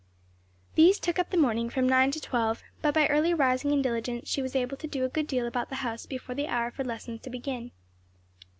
These took up the morning from nine to twelve, but by early rising and diligence she was able to do a good deal about the house before the hour for lessons to begin.